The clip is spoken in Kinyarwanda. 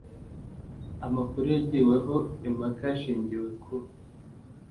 amakuru yagiweho impaka hashingiwe ku